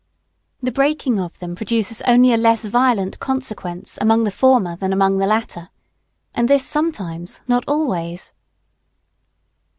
The breaking of them produces only a less violent consequence among the former than among the latter, and this sometimes, not always.